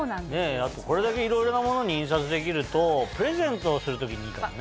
あとこれだけいろいろな物に印刷できるとプレゼントをする時にいいかもね。